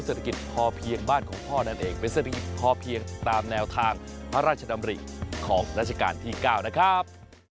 เศรษฐกิจพอเพียงบ้านของพ่อนั่นเองเป็นเศรษฐกิจพอเพียงตามแนวทางพระราชดำริของราชการที่๙นะครับ